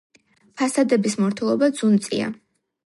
ფასადების მორთულობა ძუნწია.